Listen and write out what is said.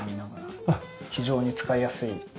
非常に使いやすい。